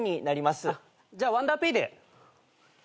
じゃあワンダーペイで。